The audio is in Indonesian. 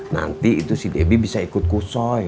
nanti itu si debi bisa ikut kusoi